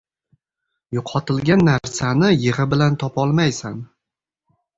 • Yo‘qotilgan narsani yig‘i bilan topolmaysan.